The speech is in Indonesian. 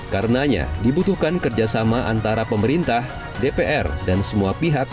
karenanya dibutuhkan kerjasama antara pemerintah dpr dan semua pihak